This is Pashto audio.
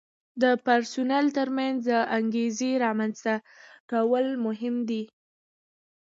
د پرسونل ترمنځ د انګیزې رامنځته کول مهم دي.